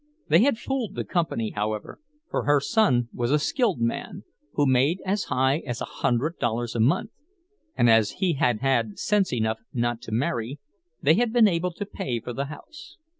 They had fooled the company, however, for her son was a skilled man, who made as high as a hundred dollars a month, and as he had had sense enough not to marry, they had been able to pay for the house.